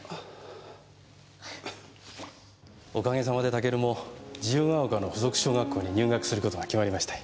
お陰様でタケルも自由が丘の付属小学校に入学する事が決まりまして。